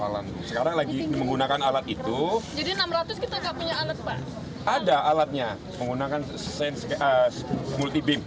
alatnya menggunakan multi beam